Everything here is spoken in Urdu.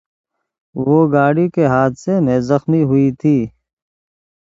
وہ گاڑی کے حادثے میں زخمی ہوئی تھی